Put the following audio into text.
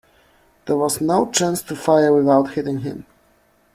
There was no chance to fire without hitting him.